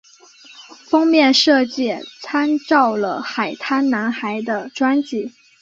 封面设计参照了海滩男孩的专辑。